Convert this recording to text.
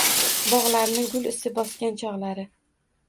Bog’larni gul isi bosgan chog’lari